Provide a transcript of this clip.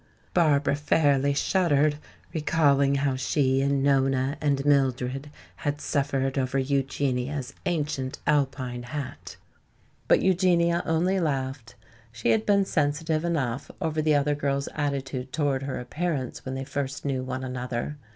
Barbara fairly shuddered, recalling how she and Nona and Mildred had suffered over Eugenia's ancient Alpine hat. But Eugenia only laughed. She had been sensitive enough over the other girls' attitude toward her appearance when they first knew one another.